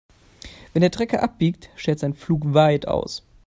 Wenn der Trecker abbiegt, schert sein Pflug weit aus.